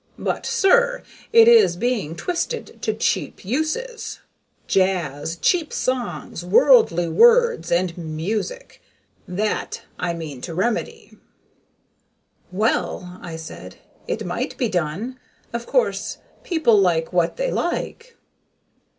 But, sir, it is being twisted to cheap uses. Jazz! Cheap songs! Worldly words and music! That I mean to remedy." "Well," I said, "it might be done. Of course, people like what they like."